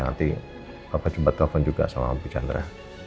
nanti papa coba telfon juga sama mama bicandra